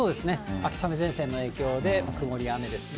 秋雨前線の影響で曇りや雨ですね。